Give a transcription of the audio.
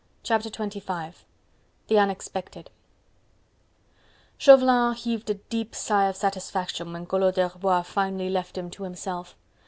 Chapter XXV: The Unexpected Chauvelin heaved a deep sigh of satisfaction when Collot d'Herbois finally left him to himself.